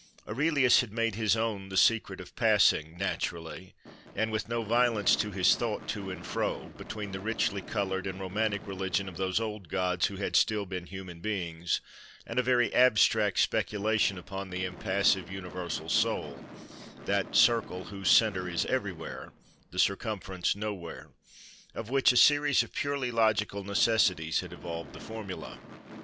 Aurelius had made his own the secret of passing, naturally, and with no violence to his thought, to and fro, between the richly coloured and romantic religion of those old gods who had still been human beings, and a very abstract speculation upon the impassive, universal soul—that circle whose centre is everywhere, the circumference nowhere—of which a series of purely logical necessities had evolved the formula.